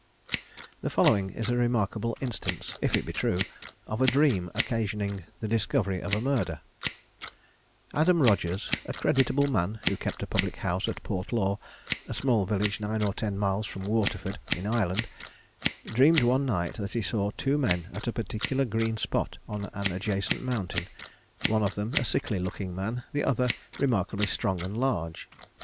The following is a remarkable instance, if it be true, of a dream occasioning the discovery of a murder: Adam Rogers (a creditable man, who kept a public house at Portlaw, a small village nine or ten miles from Waterford, in Ireland) dreamed one night that he saw two men at a particular green spot on an adjacent mountain; one of them a sickly looking man, the other remarkably strong and large.